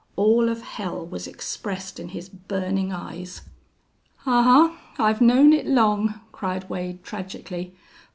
All of hell was expressed in his burning eyes. "Ahuh!... I've known it long!" cried Wade, tragically.